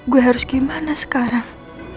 gue harus gimana sekarang